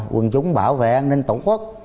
quân chúng bảo vệ an ninh tổ quốc